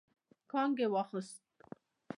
کانګو واخيست.